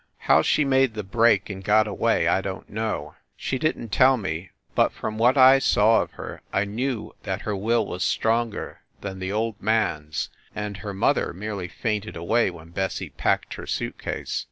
How she made the break and got away I don t know. She didn t tell me, but from what I saw of her I knew that her will was stronger than the old man s and her mother merely fainted away when Bessie packed her suit case.